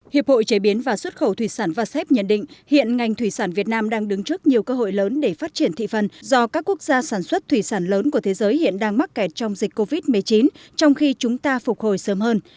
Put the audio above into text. hiệp hội chế biến và xuất khẩu thủy sản vasep nhận định hiện ngành thủy sản việt nam đang đứng trước nhiều cơ hội lớn để phát triển thị phần do các quốc gia sản xuất thủy sản lớn của thế giới hiện đang mắc kẹt trong dịch covid một mươi chín trong khi chúng ta phục hồi sớm hơn